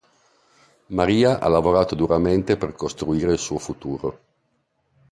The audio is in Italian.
Maria ha lavorato duramente per costruire il suo futuro.